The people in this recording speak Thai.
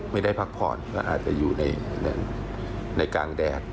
ไม่ได้พักผ่อนก็อาจจะอยู่ในกลางแดด